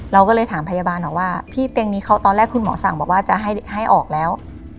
เราก็เลยถามพยาบาลบอกว่าพี่เตียงนี้เขาตอนแรกคุณหมอสั่งบอกว่าจะให้ออกแล้ว